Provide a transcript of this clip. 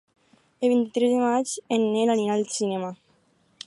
El vint-i-tres de maig en Nel anirà al cinema.